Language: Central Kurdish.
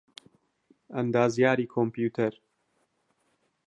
ئەندازیاریی کۆمپیوتەر